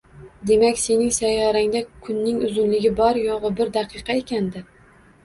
Demak, sening sayyorangda kunning uzunligi bor-yo‘g‘i bir daqiqa ekan-da!